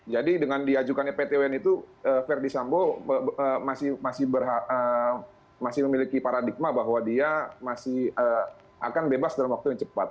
jadi dengan diajukannya pt un itu verdi sambo masih memiliki paradigma bahwa dia masih akan bebas dalam waktu yang cepat